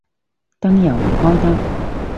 燈又唔開得